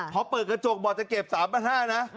พอเปิดกระจกบอกจะเก็บ๓๕๐๐นะ